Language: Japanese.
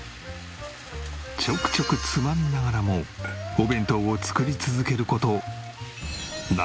ちょくちょくつまみながらもお弁当を作り続ける事。